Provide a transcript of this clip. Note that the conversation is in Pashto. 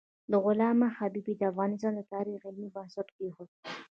علامه حبیبي د افغانستان د تاریخ علمي بنسټ کېښود.